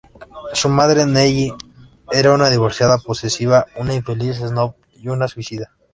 Su madre, Nellie, era una divorciada posesiva, una infeliz "snob" y una suicida".